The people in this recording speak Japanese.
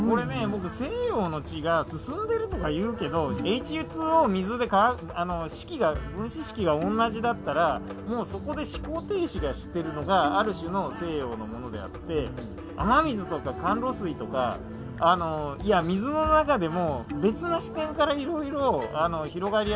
僕西洋の知が進んでるとかいうけどＨＯ水で式が分子式が同じだったらもうそこで思考が停止してるのがある種の西洋のものであって雨水とか甘露水とかいや水の中でも別の視点からいろいろ広がりや多様性を追求してくる。